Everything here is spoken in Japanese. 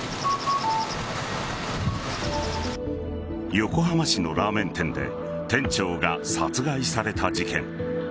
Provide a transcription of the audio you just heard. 横浜市のラーメン店で店長が殺害された事件。